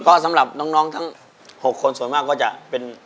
ก็สำหรับน้องทั้ง๖คนส่วนมากก็จะเป็น